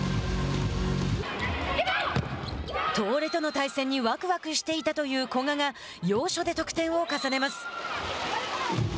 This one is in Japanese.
東レとの対戦にわくわくしていたという古賀が要所で得点を重ねます。